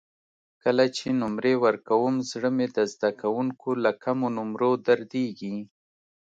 کله چې نمرې ورکوم زړه مې د زده کوونکو له کمو نمرو دردېږي.